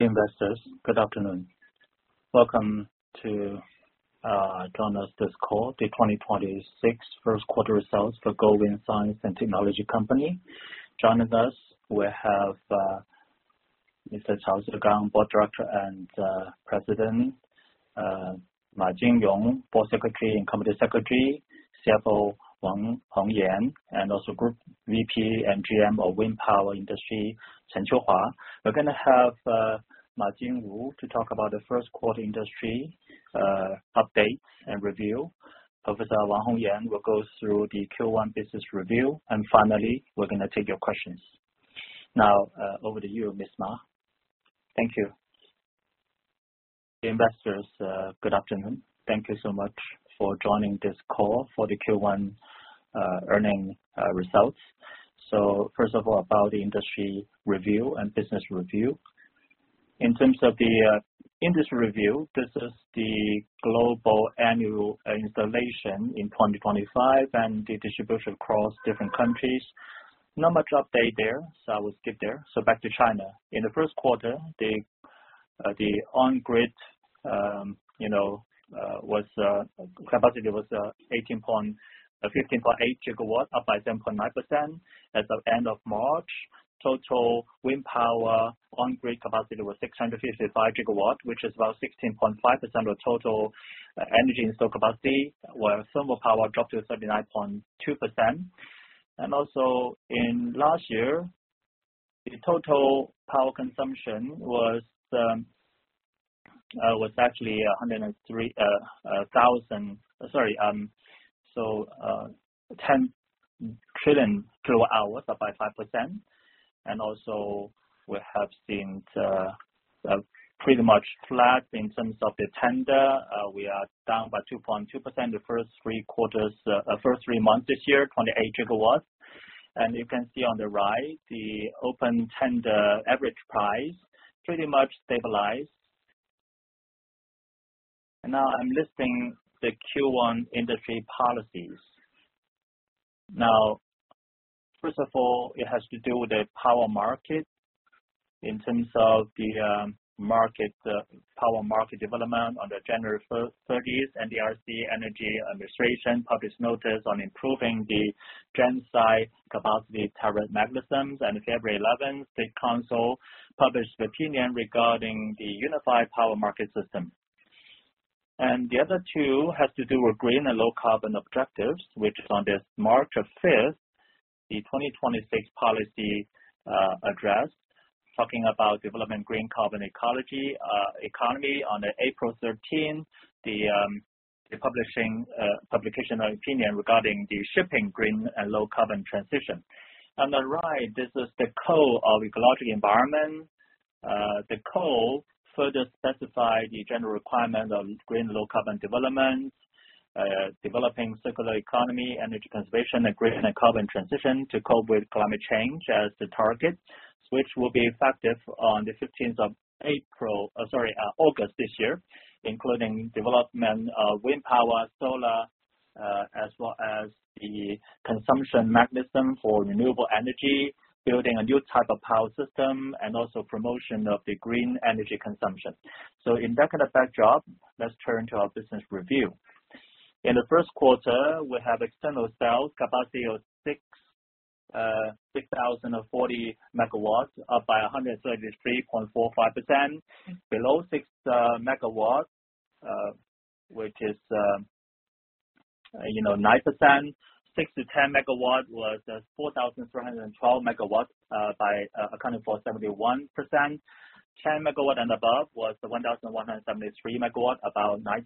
Investors, good afternoon. Welcome to join us this call, the 2026 First Quarter Results for Goldwind Science & Technology Company. Joining us we have Mr. Cao Zhigang, Board Director and President. Ma Jinru, Board Secretary and Company Secretary. CFO Wang Hongyan, and also Group VP and GM of Wind Power Industry, Chen Qiuhua. We're gonna have Ma Jinru to talk about the first quarter industry updates and review. Professor Wang Hongyan will go through the Q1 business review. Finally, we're gonna take your questions. Now, over to you, Ms. Ma. Thank you. Investors, good afternoon. Thank you so much for joining this call for the Q1 earning results. First of all, about the industry review and business review. In terms of the industry review, this is the global annual installation in 2025 and the distribution across different countries. Not much update there, I will skip there. Back to China. In the first quarter, the on-grid, you know, capacity was 15.8 GW, up by 10.9% as of end of March. Total wind power on-grid capacity was 655 GW, which is about 16.5% of total energy installed capacity, where thermal power dropped to 79.2%. In last year, the total power consumption was actually 10 trillion kWh up by 5%. We have seen the pretty much flat in terms of the tender. We are down by 2.2% the first three months this year, 28 GW. You can see on the right, the open tender average price pretty much stabilized. Now I'm listing the Q1 industry policies. Now, first of all, it has to do with the power market. In terms of the market, power market development on January 30th, NDRC National Energy Administration published notice on improving the generation capacity compensation mechanisms. On February 11th, the State Council published opinion regarding the unified power market system. The other two has to do with green and low carbon objectives, which is on March 5th, the 2026 policy address, talking about developing green carbon ecology, economy. On April 13th, the publication of opinion regarding the shipping green and low carbon transition. On the right, this is the Law of Ecological Environment. The Law further specify the general requirement of green low carbon development, developing circular economy, energy conservation, and green and carbon transition to cope with climate change as the target, which will be effective on the 15th of August this year, including development of wind power, solar, as well as the consumption mechanism for renewable energy, building a new type of power system, and also promotion of the green energy consumption. In that kind of backdrop, let's turn to our business review. In the first quarter, we have external sales capacity of 6,040 MW, up by 133.45%. Below 6 MW, which is, you know, 9%. 6 MW-10 MW was 4,312 MW, accounting for 71%. 10 MW and above was 1,173 MW, about 19%.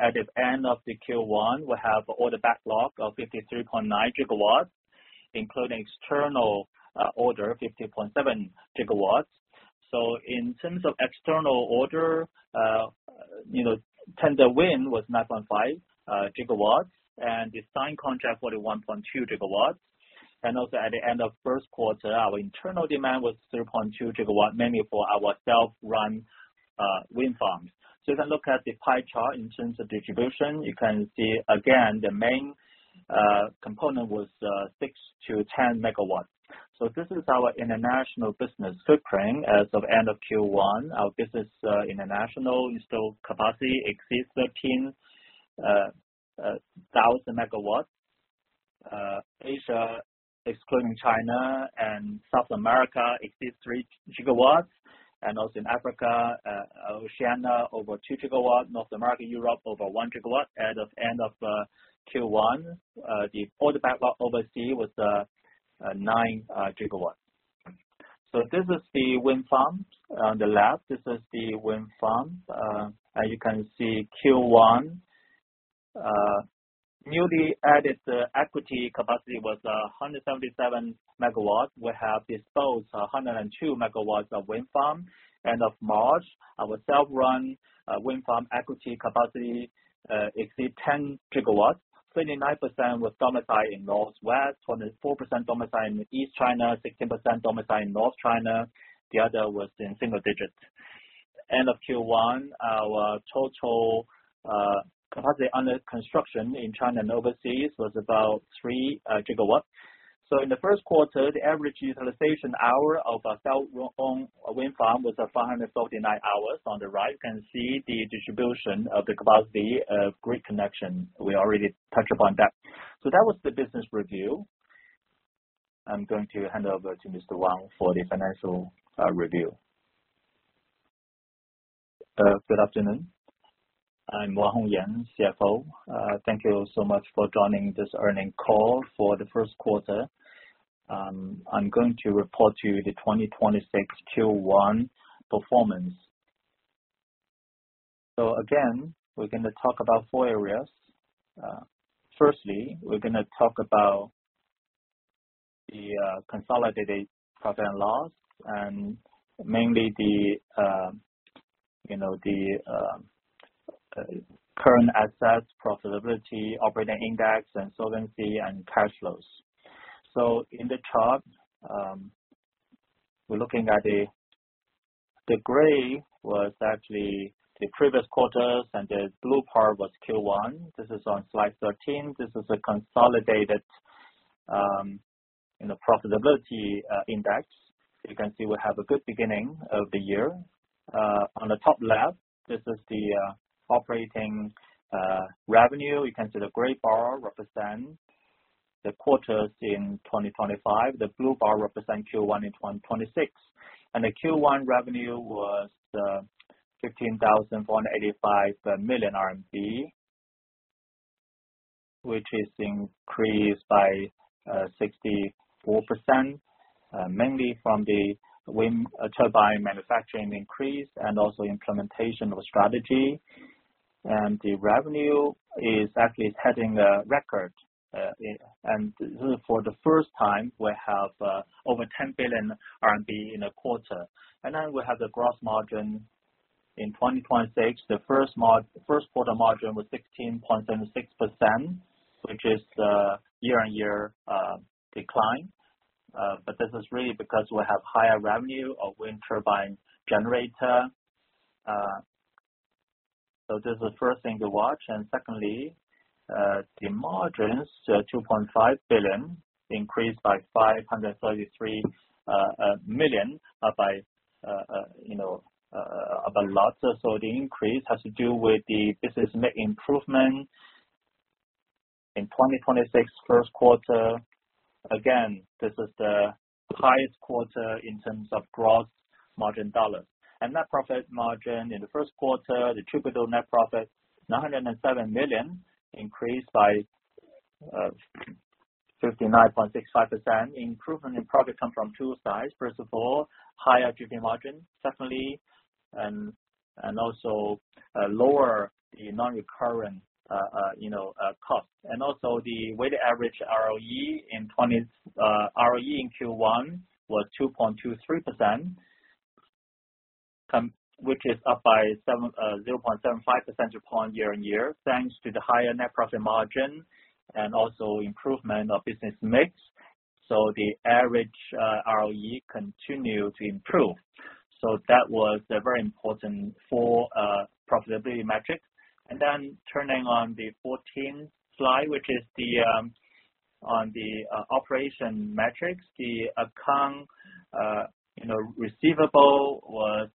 At the end of the Q1, we have order backlog of 53.9 GW, including external order, 50.7 GW. In terms of external order, you know, tender win was 9.5 GW and the signed contract was 1.2 GW. At the end of first quarter, our internal demand was 3.2 GW, mainly for our self-run wind farms. Look at the pie chart in terms of distribution. You can see again the main component was 6 MW-10 MW. This is our international business footprint as of end of Q1. Our business international installed capacity exceeds 13,000 MW. Asia, excluding China and South America, exceeds 3 GW. In Africa, Oceania, over 2 GW. North America, Europe, over 1 GW as of end of Q1. The order backlog overseas was 9 GW. This is the wind farms. On the left, this is the wind farms. As you can see, Q1 newly added equity capacity was 177 MW. We have disposed 102 MWs of wind farm. End of March, our self-run wind farm equity capacity exceeds 10 GWs, 29% was domiciled in Northwest, 24% domiciled in East China, 16% domiciled in North China. The other was in single digits. End of Q1, our total capacity under construction in China and overseas was about 3 GW. In the first quarter, the average utilization hour of our self-owned wind farm was 549 hours. On the right, you can see the distribution of the capacity of grid connection. We already touched upon that. That was the business review. I'm going to hand over to Mr. Wang for the financial review. Good afternoon. I'm Wang Hongyan, CFO. Thank you so much for joining this earning call for the first quarter. I'm going to report to you the 2026 Q1 performance. Again, we're gonna talk about four areas. Firstly, we're gonna talk about the consolidated profit and loss, and mainly the, you know, the current assets, profitability, operating index, and solvency and cash flows. In the chart, the gray was actually the previous quarters, and the blue part was Q1. This is on slide 13. This is a consolidated, you know, profitability index. You can see we have a good beginning of the year. On the top left, this is the operating revenue. You can see the gray bar represent the quarters in 2025. The blue bar represent Q1 in 2026. The Q1 revenue was 15,185 million RMB, which is increased by 64%, mainly from the wind turbine manufacturing increase and also implementation of strategy. The revenue is actually setting a record. For the first time, we have over 10 billion RMB in a quarter. We have the gross margin. In 2026, the first quarter margin was 16.76%, which is the year-on-year decline. This is really because we have higher revenue of wind turbine generator. This is the first thing to watch. Secondly, the margins, 2.5 billion increased by 533 million, you know, by lots. The increase has to do with the business mix improvement. In 2026 first quarter, again, this is the highest quarter in terms of gross margin RMB. Net profit margin in the first quarter, the attributable net profit, 907 million, increased by 59.65%. Improvement in profit come from two sides. First of all, higher GP margin, certainly, and also lower the non-recurrent, you know, cost. The weighted average ROE in Q1 was 2.23%, which is up by 0.75 percentage point year-over-year, thanks to the higher net profit margin and also improvement of business mix. The average ROE continued to improve. That was a very important for profitability metrics. Turning on the 14th slide, which is the on the operation metrics. The account, you know, receivable was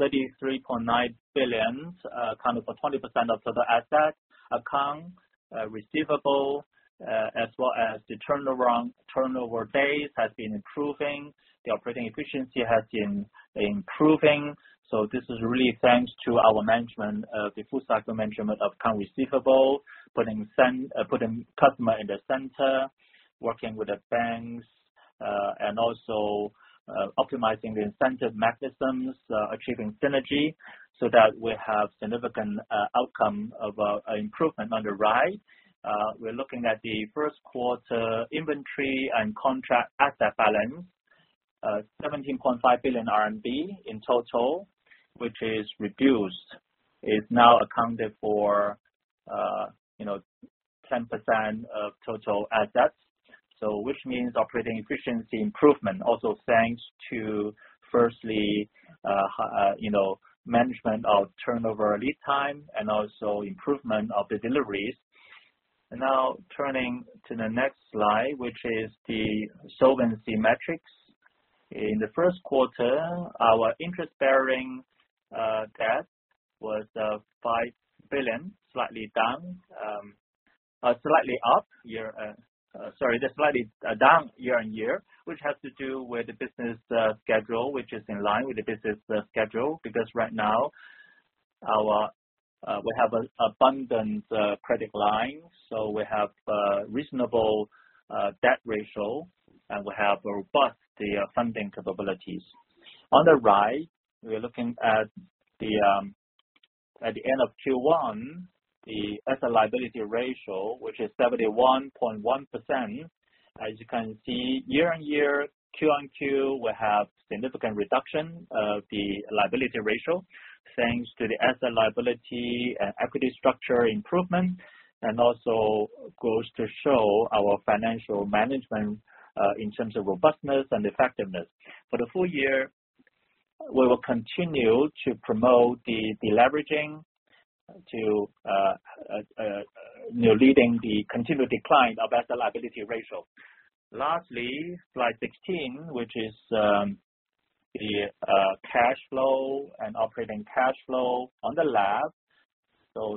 33.9 billion, account for 20% of total assets. Account receivable, as well as the turnover days has been improving. The operating efficiency has been improving. This is really thanks to our management, the full cycle management of account receivable, putting customer in the center, working with the banks, and also, optimizing the incentive mechanisms, achieving synergy so that we have significant outcome of improvement on the rise. We're looking at the first quarter inventory and contract asset balance, 17.5 billion RMB in total, which is reduced. It's now accounted for, you know, 10% of total assets. Which means operating efficiency improvement. Thanks to firstly, you know, management of turnover lead time and also improvement of the deliveries. Turning to the next slide, which is the solvency metrics. In the first quarter, our interest-bearing debt was CNY 5 billion, slightly down year-on-year, which has to do with the business schedule, which is in line with the business schedule, because right now our we have an abundant credit line, so we have a reasonable debt ratio, and we have robust the funding capabilities. On the right, we are looking at the at the end of Q1, the asset liability ratio, which is 71.1%. As you can see, year-over-year, quarter-over-quarter, we have significant reduction of the liability ratio, thanks to the asset liability and equity structure improvement, and also goes to show our financial management in terms of robustness and effectiveness. For the full year, we will continue to promote the deleveraging to, you know, leading the continued decline of asset liability ratio. Lastly, slide 16, which is the cash flow and operating cash flow on the left.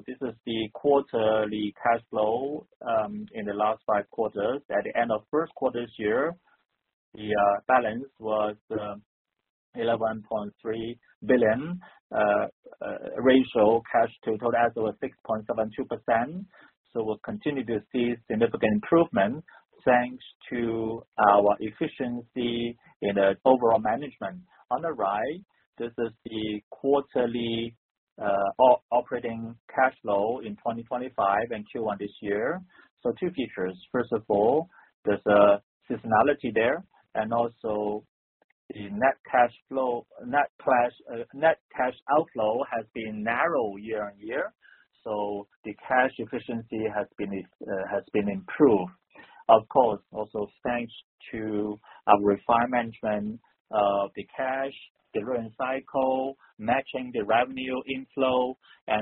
This is the quarterly cash flow in the last five quarters. At the end of first quarter this year, the balance was 11.3 billion, ratio cash to total assets was 6.72%. We'll continue to see significant improvement thanks to our efficiency in the overall management. On the right, this is the quarterly operating cash flow in 2025 and Q1 this year. Two features. First of all, there's a seasonality there, and also the net cash outflow has been narrow year-on-year, the cash efficiency has been improved. Of course, also thanks to our refined management of the cash delivery cycle matching the revenue inflow.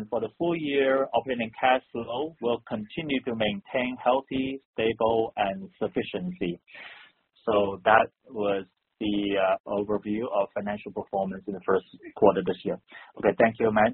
For the full year, operating cash flow will continue to maintain healthy, stable and sufficiency. That was the overview of financial performance in the first quarter this year. Okay, thank you very much.